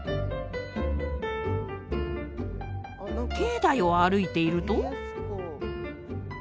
境内を歩いていると。